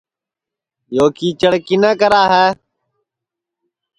یو کیچڑ کِنے کرا ہے